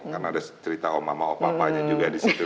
karena ada cerita o mama o papanya juga disitu